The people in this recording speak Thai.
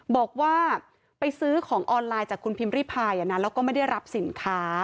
บอกว่าไปซื้อของออนไลน์จากคุณพิมพ์ริพายแล้วก็ไม่ได้รับสินค้า